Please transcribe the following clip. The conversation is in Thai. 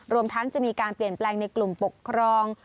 รวมทั้งจะมีการเปลี่ยนแปลงในกลุ่มปกครอง